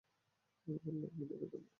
আমাদের লাইভ মিডিয়াকে ধন্যবাদ।